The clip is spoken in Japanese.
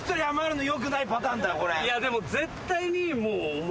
いやでも絶対にお前。